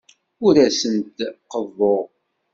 Ur asent-d-qeḍḍuɣ.